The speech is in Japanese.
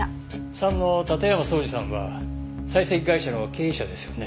３の館山荘司さんは採石会社の経営者ですよね。